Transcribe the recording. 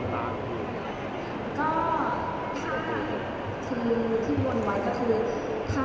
ตอนนี้ก็จับเวลาที่เดิมค่ะ